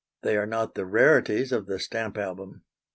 They are not the rarities of the stamp album.